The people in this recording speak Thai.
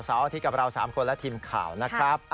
อาทิตย์กับเรา๓คนและทีมข่าวนะครับ